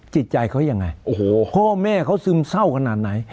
จิตใจเขายังไงโอ้โหพ่อแม่เขาซึมเศร้าขนาดไหน